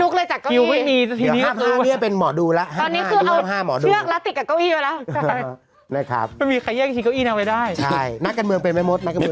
ก็เลยไม่ลุกเลยจากเก้าหี้